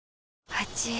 あちぃ。